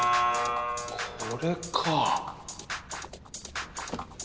これか。